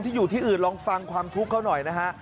อยู่ที่อื่นลองฟังความทุกข์เขาหน่อยนะฮะ